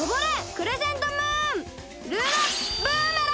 クレセントムーン！